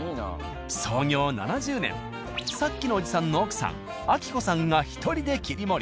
創業７０年さっきのおじさんの奥さん昭子さんが１人で切り盛り。